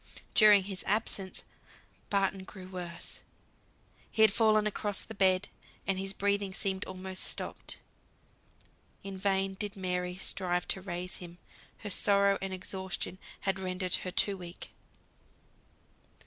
During his absence, Barton grew worse; he had fallen across the bed, and his breathing seemed almost stopped; in vain did Mary strive to raise him, her sorrow and exhaustion had rendered her too weak.